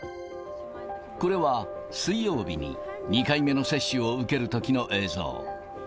これは、水曜日に２回目の接種を受けるときの映像。